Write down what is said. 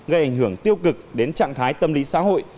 gây ảnh hưởng tiêu cực đến trạng thái tâm lý xã hội